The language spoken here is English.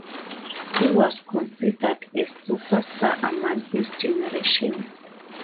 He was considered a super star among his generation.